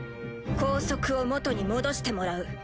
校則を元に戻してもらう。